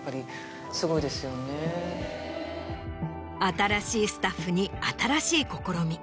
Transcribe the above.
新しいスタッフに新しい試み。